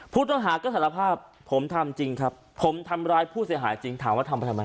ผู้ต้องหาก็สารภาพผมทำจริงครับผมทำร้ายผู้เสียหายจริงถามว่าทำไปทำไม